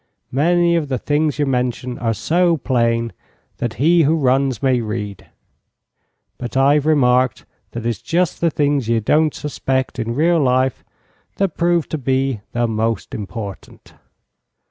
Many of the things you mention are so plain that he who runs may read; but I've remarked that it's just the things ye don't suspect in real life that prove to be the most important."